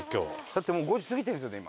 だってもう５時過ぎてるんですよね